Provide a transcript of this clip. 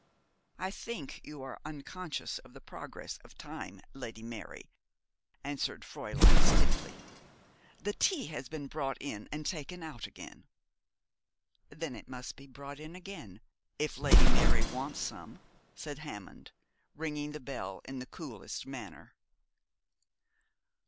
'I think you are unconscious of the progress of time, Lady Mary,' answered Fräulein, stiffly. 'The tea has been brought in and taken out again.' 'Then it must be brought again, if Lady Mary wants some,' said Hammond, ringing the bell in the coolest manner.